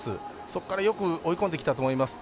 そこからよく追い込んできたと思います。